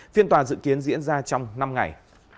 phiên tòa dự kiến diễn ra trong năm ngày